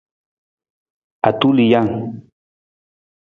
Atulijang.